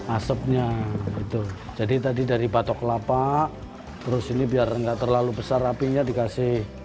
asapnya betul jadi tadi dari batok kelapa terus ini biar enggak terlalu besar apinya dikasih